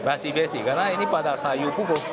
masih basic karena ini pada sayur pukul